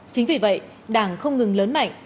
chính vì vậy đảng không ngừng lớn mạnh